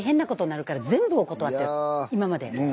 今まで。